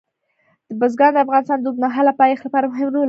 بزګان د افغانستان د اوږدمهاله پایښت لپاره مهم رول لري.